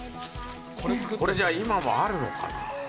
これじゃあ今もあるのかな？